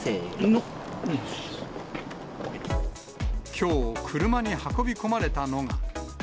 きょう、車に運び込まれたのが。